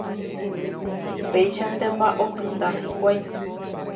Péichantema opyta hikuái.